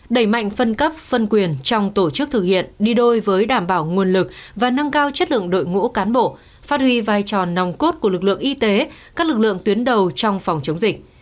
đẩy mạnh phân cấp phân quyền trong tổ chức thực hiện đi đôi với đảm bảo nguồn lực và nâng cao chất lượng đội ngũ cán bộ phát huy vai trò nòng cốt của lực lượng y tế các lực lượng tuyến đầu trong phòng chống dịch